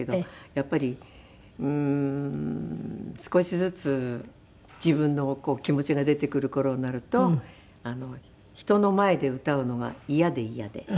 やっぱりうーん少しずつ自分の気持ちが出てくる頃になると人の前で歌うのが嫌で嫌で。